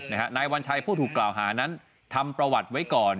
นายวัญชัยผู้ถูกกล่าวหานั้นทำประวัติไว้ก่อน